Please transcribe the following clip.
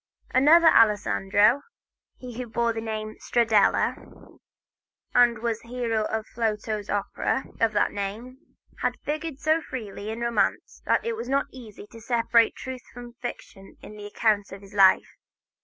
Another Alessandro, he who bore the surname Stradella and was the hero of Flotow's opera of that name, has figured so freely in romance that it is not easy to separate truth from fiction in accounts of his life.